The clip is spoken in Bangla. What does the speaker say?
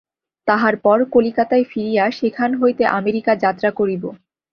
তাহার পর কলিকাতায় ফিরিয়া সেখান হইতে আমেরিকা যাত্রা করিব।